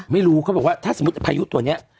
ไม่รู้เขาบอกว่าถ้าสมมติภายุตัวนี้